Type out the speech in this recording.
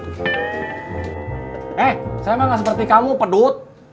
eh saya emang gak seperti kamu pedut